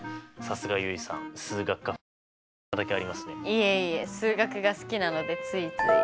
いえいえ数学が好きなのでついつい。